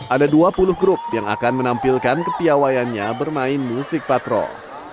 ada dua puluh grup yang akan menampilkan kepiawayannya bermain musik patrol